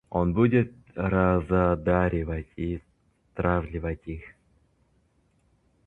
Он будет раззадоривать и стравливать их.